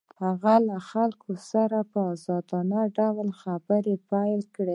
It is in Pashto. هغه له خلکو سره په ازادانه ډول خبرې پيل کړې.